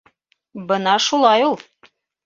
Бына шулай ул: